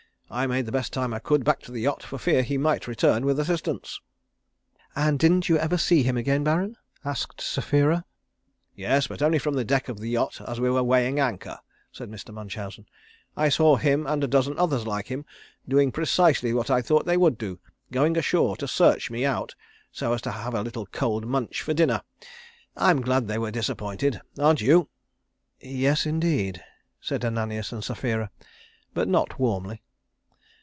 I made the best time I could back to the yacht for fear he might return with assistance." "And didn't you ever see him again, Baron?" asked Sapphira. "Yes, but only from the deck of the yacht as we were weighing anchor," said Mr. Munchausen. "I saw him and a dozen others like him doing precisely what I thought they would do, going ashore to search me out so as to have a little cold Munch for dinner. I'm glad they were disappointed, aren't you?" "Yes, indeed," said Ananias and Sapphira, but not warmly.